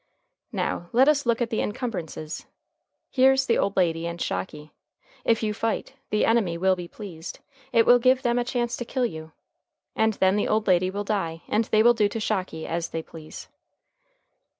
"Now let us look at the incumbrances. Here's the old lady and Shocky. If you fight, the enemy will be pleased. It will give them a chance to kill you. And then the old lady will die and they will do with Shocky as they please."